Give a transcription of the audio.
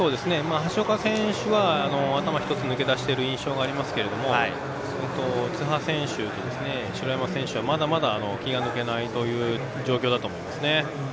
橋岡選手が頭１つ抜け出している印象がありますが津波選手と、城山選手はまだまだ気が抜けないという状況だと思いますね。